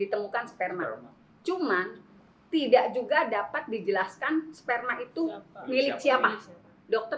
ditemukan sperma cuma tidak juga dapat dijelaskan sperma itu milik siapa dokter